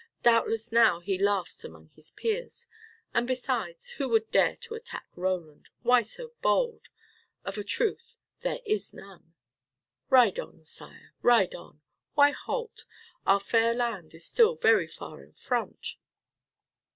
Doubtless now he laughs among his peers. And besides, who would dare to attack Roland? Who so bold? Of a truth there is none. Ride on, Sire, ride on. Why halt? Our fair land is still very far in front."